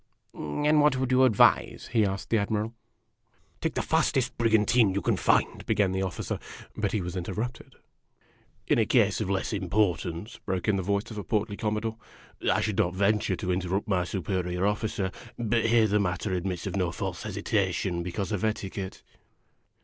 " And what would you advise?" he asked the Admiral. " Take the fastest brigantine you can find " began the officer; but he was interrupted. "In a case of less importance," broke in the voice of a portly Commodore, " I should not venture to interrupt my superior officer. But here the matter admits of no false hesitation because of etiquette."